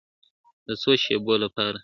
د څو شېبو لپاره ,